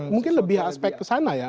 mungkin lebih aspek ke sana ya